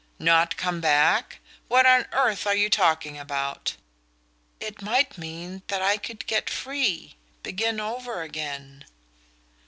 "Not come back? What on earth are you talking about?" "It might mean that I could get free begin over again..."